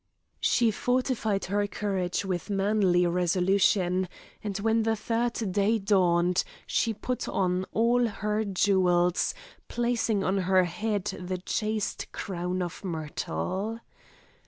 She fortified her courage with manly resolution, and when the third day dawned she put on all her jewels, placing on her head the chaste crown of myrtle.